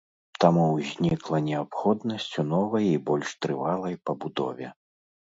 Таму ўзнікла неабходнасць у новай і больш трывалай пабудове.